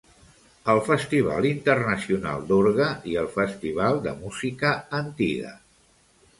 El Festival Internacional d'Orgue i el Festival de Música Antiga.